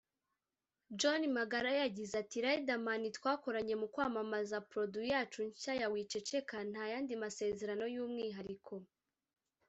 John Magara yagize ati “ Riderman twakoranye mu kwamamaza produit yacu nshya ya ‘Wiceceka’ nta yandi masezerano y’umwihariko